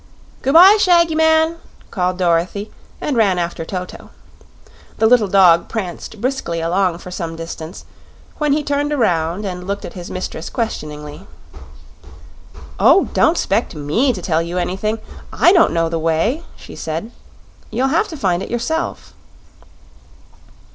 "Good bye, Shaggy Man," called Dorothy, and ran after Toto. The little dog pranced briskly along for some distance; when he turned around and looked at his mistress questioningly. "Oh, don't 'spect ME to tell you anything; I don't know the way," she said. "You'll have to find it yourself."